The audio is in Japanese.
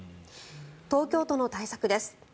東京都の対策です。